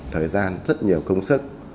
thời gian rất nhiều công sức